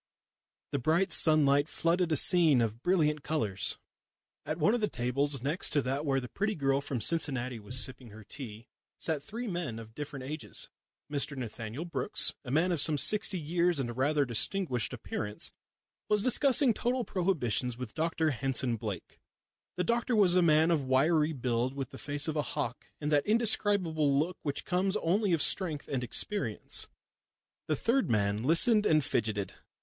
The bright sunlight flooded a scene of brilliant colours. At one of the tables next to that where the pretty girl from Cincinnati was sipping her tea sat three men of different ages. Mr Nathaniel Brookes, a man of some sixty years and rather distinguished appearance, was discussing total prohibitions with Dr Henson Blake. The doctor was a man of wiry build, with the face of a hawk, and that indescribable look which comes only of strength and experience. The third man listened and fidgeted.